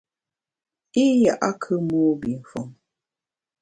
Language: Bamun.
I ya’kù mobifon.